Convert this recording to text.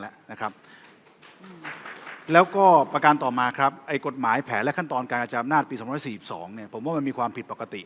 แล้วก็กฎหมายแผนและขั้นตอนการกระจำนาฏปี๒๔๒มีความผิดปกติ